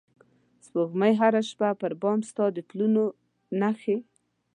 سپوږمۍ هره شپه پر بام ستا د پلونو نښې